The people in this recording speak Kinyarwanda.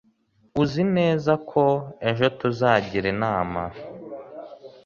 Uzi neza ko ejo tuzagira inama?